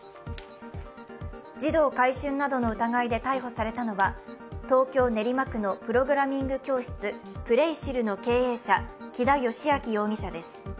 児童買春などの疑いで逮捕されたのは、東京・練馬区のプログラミング教室Ｐｌａｙｓｈｉｒｕの経営者、木田義晃容疑者です。